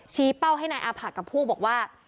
ชี้เป้าให้นายอาผักกับพวกบอกว่า